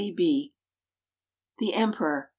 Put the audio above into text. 7. THE EMPEROR.